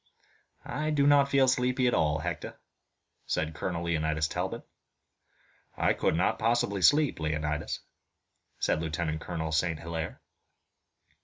"I do not feel sleepy at all, Hector," said Colonel Leonidas Talbot. "I could not possibly sleep, Leonidas," said Lieutenant Colonel St. Hilaire.